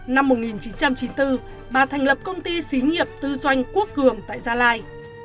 năm một nghìn chín trăm chín mươi bốn bà thành lập công ty xí nghiệp tư doanh quốc cường tại gia lai